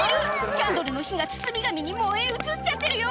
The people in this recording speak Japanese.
キャンドルの火が包み紙に燃え移っちゃってるよ！